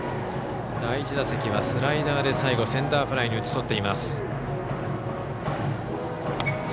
第１打席は、スライダーで最後センターフライに打ち取っています。